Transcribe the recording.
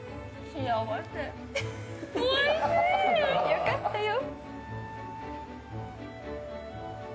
よかったよ。